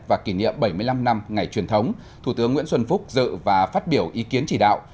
và kỷ niệm bảy mươi năm năm ngày truyền thống thủ tướng nguyễn xuân phúc dự và phát biểu ý kiến chỉ đạo